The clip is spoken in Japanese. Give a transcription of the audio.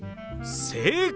正解！